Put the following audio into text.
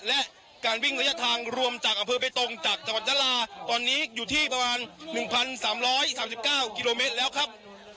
และการวิ่งระยะทางรวมจากอำเภอเบตรงจากจังหวัดจันทราตอนนี้อยู่ที่ประมาณหนึ่งพันสามร้อยสามสิบเก้ากิโลเมตรแล้วครับ